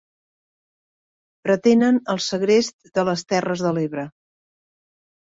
Pretenen el segrest de les terres de l'Ebre.